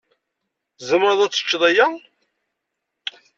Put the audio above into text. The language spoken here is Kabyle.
Tzemreḍ ad teččeḍ aya?